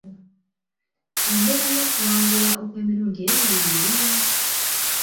Embeera y'okuwangula okw'emirundi ebiri yeri wa?